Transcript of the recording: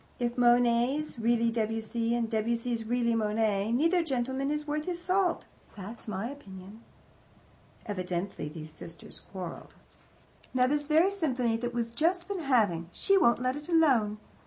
If Monet's really Debussy, and Debussy's really Monet, neither gentleman is worth his salt that's my opinion. Evidently these sisters quarrelled. "Now, this very symphony that we've just been having she won't let it alone.